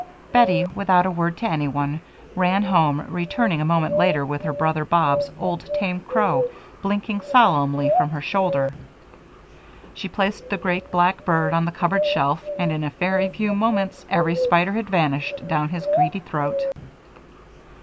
Bettie, without a word to anyone, ran home, returning a moment later with her brother Bob's old tame crow blinking solemnly from her shoulder. She placed the great, black bird on the cupboard shelf and in a very few moments every spider had vanished down his greedy throat.